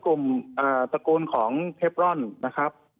เคลือบเทฟรอนอ่าที่เคลือบเป็นกลุ่มอ่าตระกูลของเทฟรอนนะครับ